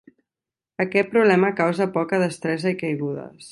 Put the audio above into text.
Aquest problema causa poca destresa i caigudes.